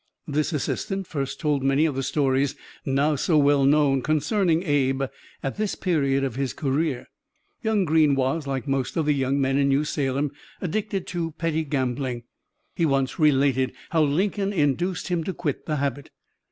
This assistant first told many of the stories, now so well known, concerning Abe at this period of his career: Young Greene was, like most of the young men in New Salem, addicted to petty gambling. He once related how Lincoln induced him to quit the habit.